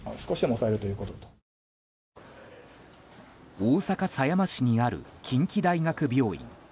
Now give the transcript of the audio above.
大阪狭山市にある近畿大学病院。